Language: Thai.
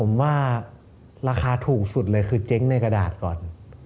ผมว่าราคาถูกสุดเลยคือเจ๊งในกระดาษก่อน